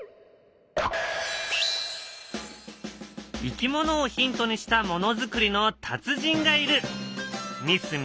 いきものをヒントにしたものづくりの達人がいる。